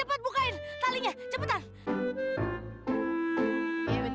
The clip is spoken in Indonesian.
iya karil tenang tenang